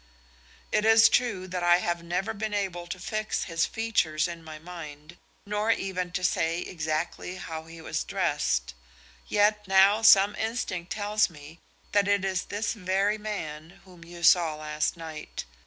It is true that I have never been able to fix his features in my mind, nor even to say exactly how he was dressed. Yet now some instinct tells me that it is this very man whom you saw last night.